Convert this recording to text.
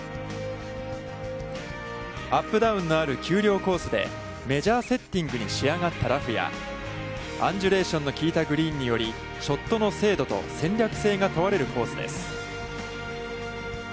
アップダウンのある丘陵コースでメジャーセッティングに仕上がったラフやアンジュレーションの効いたグリーンによりショットの精度と戦略性が問われるコースです。